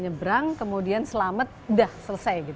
nyebrang kemudian selamat udah selesai